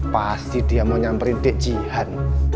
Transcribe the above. pasti dia mau nyamperin tecihan